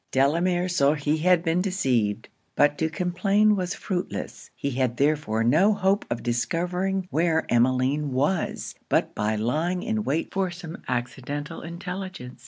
Delamere saw he had been deceived; but to complain was fruitless: he had therefore no hope of discovering where Emmeline was, but by lying in wait for some accidental intelligence.